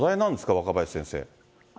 若林先生。